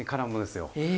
え！